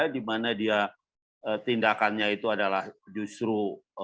dimana dia tindakannya itu adalah justru